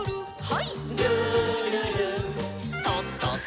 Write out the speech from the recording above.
はい。